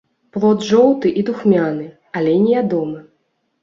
Плод жоўты і духмяны, але не ядомы.